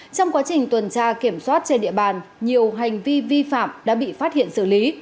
trong quá trình tuần tra kiểm soát trên địa bàn nhiều hành vi vi phạm đã bị phát hiện xử lý